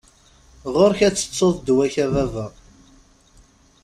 Ɣur-k ad tettuḍ ddwa-k, a baba.